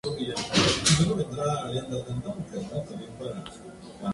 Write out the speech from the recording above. Urrutia firmó con la organización de Orioles de Baltimore.